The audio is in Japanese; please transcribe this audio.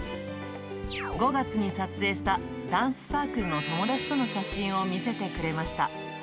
５月に撮影したダンスサークルの友達との写真を見せてくれました。